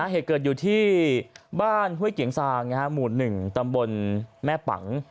เหตุเกิดอยู่ที่บ้านห้วยเกียงซางหมู่๑ตำบลแม่ปัง